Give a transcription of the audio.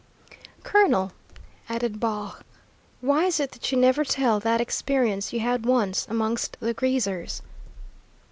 "Colonel," added Baugh, "why is it that you never tell that experience you had once amongst the greasers?"